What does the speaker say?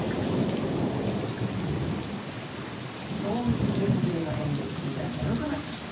「賞味期限切れの演説聞いたら眠くなっちゃった。